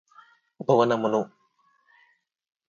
భువనమును